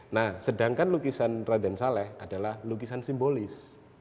nah sedangkan lukisan raden saleh adalah lukisan simbolis